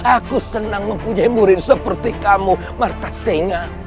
aku senang mempunyai murid seperti kamu marta singa